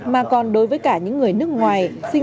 mà còn đối với cả những người nước ngoài